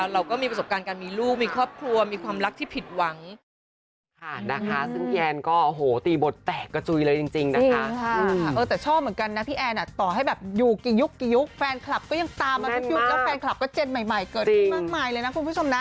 เราก็มีประสบการณ์การมีลูกมีครอบครัวมีความรักที่ผิดหวัง